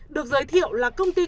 được giới thiệu là công ty